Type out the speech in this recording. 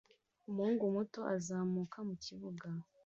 Umuhungu muto uzamuka mukibuga